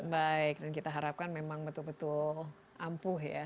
baik dan kita harapkan memang betul betul ampuh ya